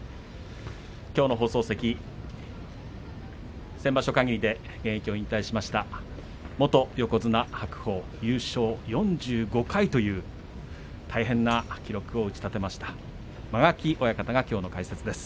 きょうの放送席、先場所かぎりで現役を引退しました元横綱白鵬優勝４５回という大変な記録を打ちたてました間垣親方がきょうの解説です。